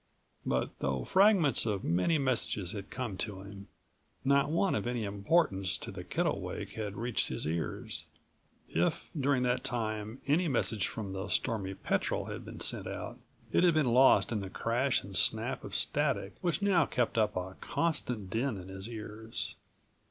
But though fragments of many messages had come to him, not one of any importance to the Kittlewake had reached his ears. If during that time any message from the Stormy Petrel had been sent out, it had been lost in the crash and snap of static which now kept up a constant din in his ears.